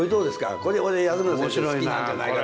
これ俺安村さん好きなんじゃないかと思って。